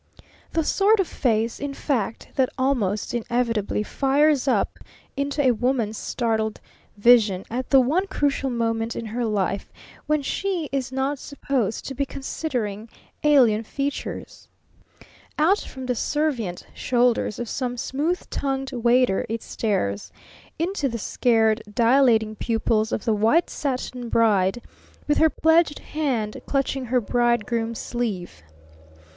The sort of face, in fact, that almost inevitably flares up into a woman's startled vision at the one crucial moment in her life when she is not supposed to be considering alien features. Out from the servient shoulders of some smooth tongued Waiter it stares, into the scared dilating pupils of the White Satin Bride with her pledged hand clutching her Bridegroom's sleeve.